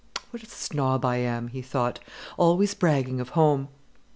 "What a snob I am!" he thought; "always bragging of home."